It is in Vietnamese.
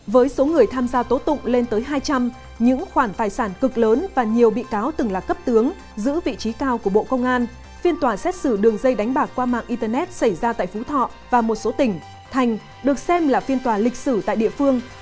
với số người tham gia tố tụng lên tới hai trăm linh những khoản tài sản cực lớn và nhiều bị cáo từng là cấp tướng giữ vị trí cao của bộ công an phiên tòa xét xử đường dây đánh bạc qua mạng internet xảy ra tại phú thọ và một số tỉnh thành được xem là phiên tòa lịch sử tại địa phương